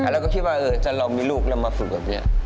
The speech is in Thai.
แล้วก็คิดว่าเออจะลองมีลูกแล้วมาฝึกกับนี่